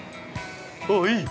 あっ、いい！